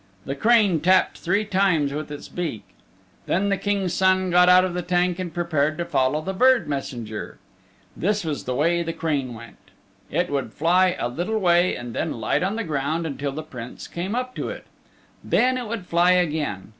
The crane tapped three times with its beak. Then the King's Son got out of the tank and prepared to follow the bird messenger. This was the way the crane went. It would fly a little way and then light on the ground until the Prince came up to it. Then it would fly again.